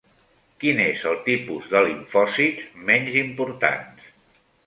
Quin és el tipus de limfòcits menys importants?